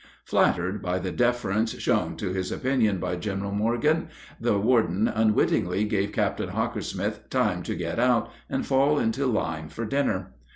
Flattered by the deference shown to his opinion by General Morgan, the warden unwittingly gave Captain Hockersmith time to get out and fall into line for dinner.